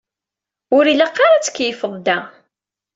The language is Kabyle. Ur ilaq ara ad tkeyyfeḍ da.